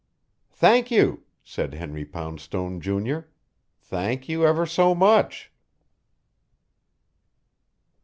"Thank you," said Henry Poundstone, Junior. "Thank you ever so much."